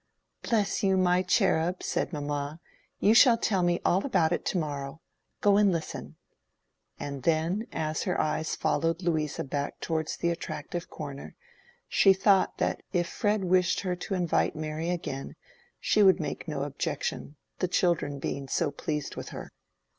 "Bless you, my cherub!" said mamma; "you shall tell me all about it to morrow. Go and listen!" and then, as her eyes followed Louisa back towards the attractive corner, she thought that if Fred wished her to invite Mary again she would make no objection, the children being so pleased with her.